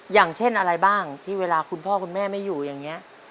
อย่างเช่นอะไรบ้างที่เวลาคุณพ่อคุณแม่ไม่อยู่อย่างนี้